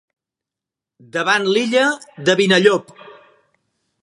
Davant l'Illa de Vinallop.